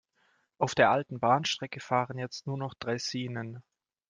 Auf der alten Bahnstrecke fahren jetzt nur noch Draisinen.